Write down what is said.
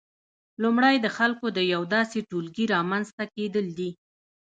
لومړی د خلکو د یو داسې ټولګي رامنځته کېدل دي